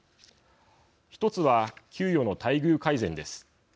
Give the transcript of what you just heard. １つは、給与の待遇改善です。